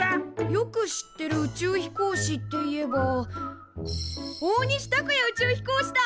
よく知ってる宇宙飛行士っていえば大西卓哉宇宙飛行士だ！